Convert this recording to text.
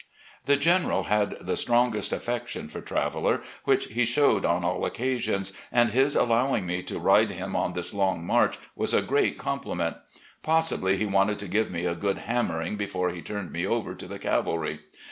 The general had the strongest affection for Traveller, which he showed on all occasions, and his allowing me to ride him on this long march was a great compliment. Possibly he wanted to give me a good hammering before he turned me over to the cavalry.